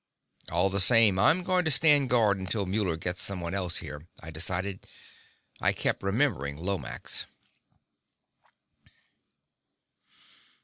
"All the same, I'm going to stand guard until Muller gets someone else here," I decided. I kept remembering Lomax.